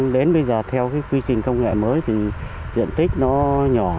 đến bây giờ theo cái quy trình công nghệ mới thì diện tích nó nhỏ